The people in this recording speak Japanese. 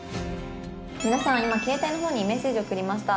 「皆さん今携帯の方にメッセージを送りました」